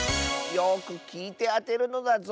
よくきいてあてるのだぞ。